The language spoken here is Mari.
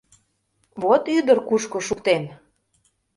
Вот ӱдыр кушко шуктен.